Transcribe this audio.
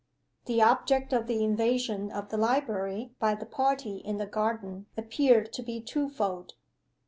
THE object of the invasion of the library by the party in the garden appeared to be twofold.